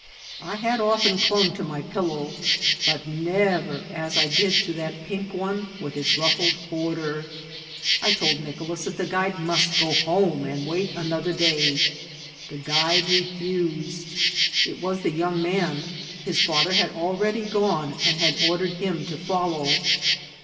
I had oft^i clung to my pillow, but never as I did to that pink one with its ruffled border. I told Nicolas that the guide must go home and wait another day. The guide refused. It was the young man; his father had already gone, and had ordered him to follow.